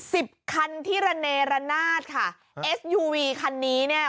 สิบคันที่ระเนระนาดค่ะเอสยูวีคันนี้เนี่ย